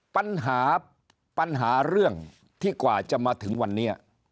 ปัญหาปัญหาเรื่องที่กว่าจะมาถึงวันนี้